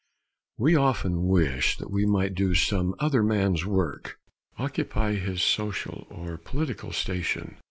We often wish that we might do some other man's work, occupy his social or political station.